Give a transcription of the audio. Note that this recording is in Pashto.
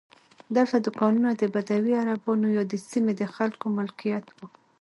دلته دوکانونه د بدوي عربانو یا د سیمې د خلکو ملکیت وو.